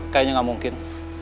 kayaknya gak mungkin